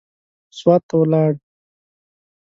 سوات ته ولاړ.